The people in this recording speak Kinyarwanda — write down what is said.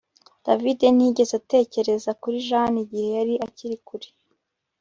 David ntiyigeze atekereza kuri Jane igihe yari akiri kure